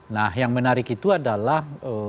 nah yang menarik itu adalah